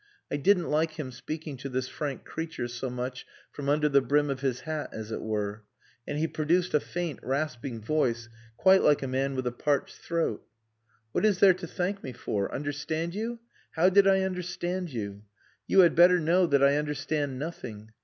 I didn't like him speaking to this frank creature so much from under the brim of his hat, as it were. And he produced a faint, rasping voice quite like a man with a parched throat. "What is there to thank me for? Understand you?... How did I understand you?... You had better know that I understand nothing.